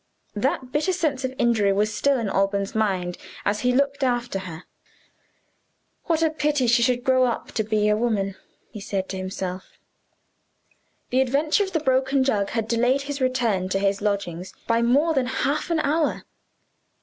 That bitter sense of injury was still in Alban's mind as he looked after her. "What a pity she should grow up to be a woman!" he said to himself. The adventure of the broken jug had delayed his return to his lodgings by more than half an hour.